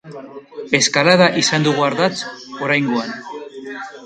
Eskalada izan dugu ardatz oraingoan.